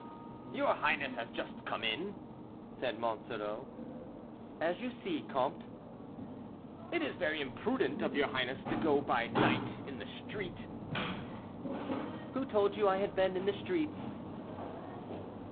"Your highness has just come in?" said Monsoreau. "As you see, comte." "It is very imprudent of your highness to go by night in the street." "Who told you I had been in the streets?"